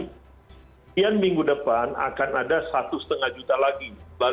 kemudian minggu depan akan ada satu lima juta lagi